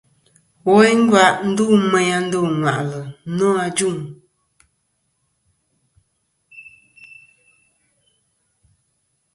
Woyn ngva ndu meyn a ndo ŋwà'lɨ nô ajuŋ.